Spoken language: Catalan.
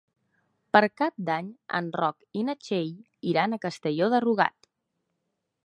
Per Cap d'Any en Roc i na Txell iran a Castelló de Rugat.